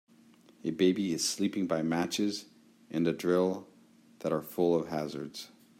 A baby is sleeping by matches, and a drill, that are full of hazards.